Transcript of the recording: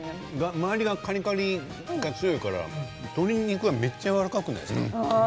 周りのカリカリが強いから鶏肉がめっちゃやわらかくないですか？